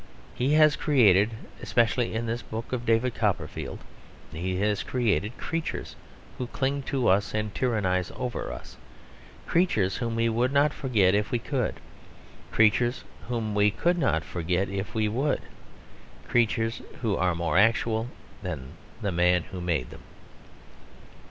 He has created, especially in this book of David Copperfield, he has created, creatures who cling to us and tyrannise over us, creatures whom we would not forget if we could, creatures whom we could not forget if we would, creatures who are more actual than the man who made them.